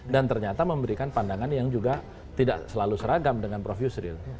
dan ternyata memberikan pandangan yang juga tidak selalu seragam dengan prof yusril